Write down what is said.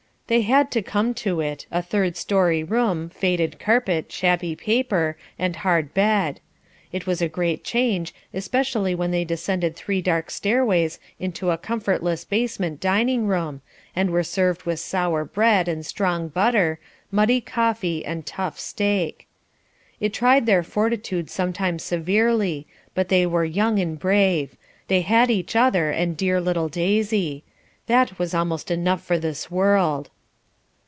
They had to come to it, a third story room, faded carpet, shabby paper, and hard bed. It was a great change, especially when they descended three dark stairways into a comfortless basement dining room, and were served with sour bread and strong butter, muddy coffee and tough, steak. It tried their fortitude sometimes severely, but they were young and brave; they had each other and dear little Daisy; that was almost enough for this world.